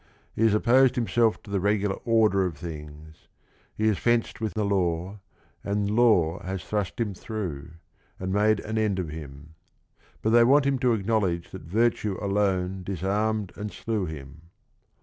He has opposed him self to the regular order of things; he has fenced with the law, and law has thrust him through, and made an end of him. But they want him to acknowledge that virtue alone disarmed and slew him.